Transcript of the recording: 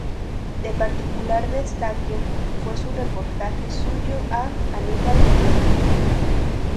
De particular destaque fue un reportaje suyo a Anibal Troilo.